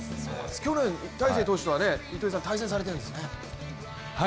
去年大勢投手と糸井さんは対戦しているんですね。